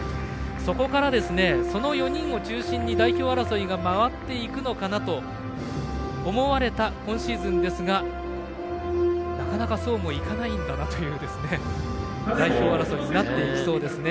そこからその４人を中心に代表争いが回っていくのかなと思われた今シーズンですが、なかなかそうもいかないんだなという代表争いになっていきそうですね。